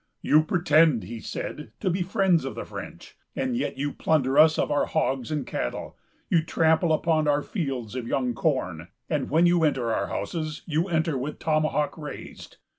"You pretend," he said, "to be friends of the French, and yet you plunder us of our hogs and cattle, you trample upon our fields of young corn, and when you enter our houses, you enter with tomahawk raised.